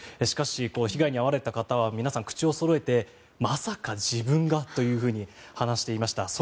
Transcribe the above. しかし、被害に遭われた方は皆さん口をそろえてまさか自分がというふうに話していました。